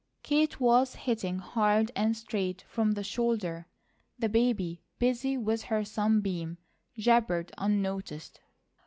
Kate was hitting hard and straight from the shoulder. The baby, busy with her sunbeam, jabbered unnoticed.